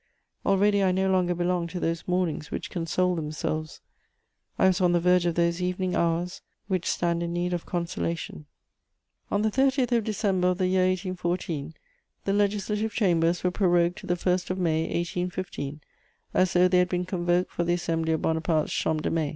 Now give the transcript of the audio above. Already I no longer belonged to those mornings which console themselves; I was on the verge of those evening hours which stand in need of consolation. * On the 30th of December of the year 1814, the Legislative Chambers were prorogued to the 1st of May 1815, as though they had been convoked for the assembly of Bonaparte's _champ de mai.